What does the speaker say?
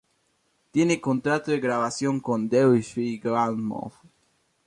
Tiene contrato de grabación con Deutsche Grammophon.